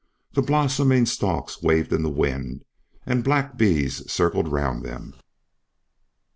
The blossoming stalks waved in the wind, and black bees circled round them.